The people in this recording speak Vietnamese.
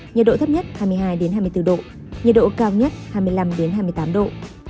nhiệt độ thấp nhất hai mươi hai hai mươi bốn độ nhiệt độ cao nhất hai mươi năm hai mươi tám độ